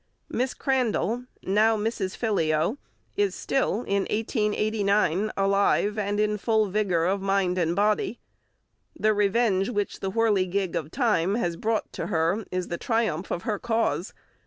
Miss Crandall, now Mrs. Philleo, is still (1889) alive and in full vigour of mind and body. The revenge which the whirligig of time has brought to her is the triumph of her cause.